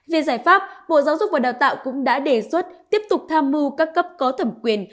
về giải pháp bộ giáo dục và đào tạo cũng đã đề xuất tiếp tục tham mưu các cấp có thẩm quyền